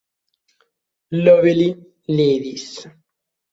Lovely Ladies.